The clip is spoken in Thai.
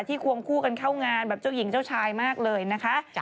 ควงคู่กันเข้างานแบบเจ้าหญิงเจ้าชายมากเลยนะคะ